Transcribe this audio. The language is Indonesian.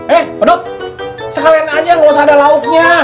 eh penduduk sekalian aja yang luas ada lauknya